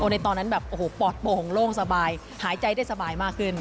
ในตอนนั้นปอดโปหงโล่งสบายหายใจได้สบายมากขึ้น